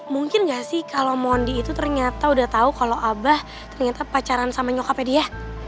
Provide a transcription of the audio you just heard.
mungkin nggak sih kalau mondi itu ternyata udah tahu kalau abah ternyata pacaran sama nyokapnya dia